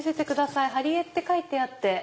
貼り絵って書いてあって。